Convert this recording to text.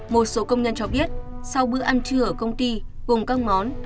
một số công nhân cho biết sau bữa ăn trưa ở công ty cùng các món